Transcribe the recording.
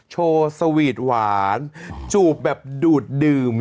โชว์สวีทหวานจูบแบบดูดดื่ม